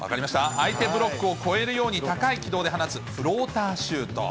相手ブロックを超えるように、高い軌道で放つフローターシュート。